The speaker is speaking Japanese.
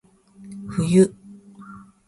冬